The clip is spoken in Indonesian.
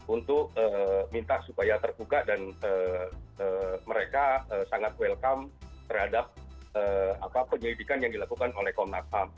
untuk minta supaya terbuka dan mereka sangat welcome terhadap penyelidikan yang dilakukan oleh komnas ham